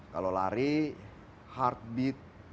kalau lari heartbeat